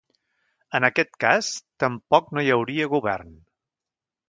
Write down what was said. En aquest cas, tampoc no hi hauria govern.